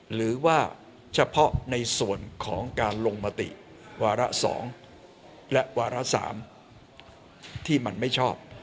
หรือว่าเฉพาะในส่วนของการลงมติวาระ๒และวาระ๓ที่มันไม่ชอบ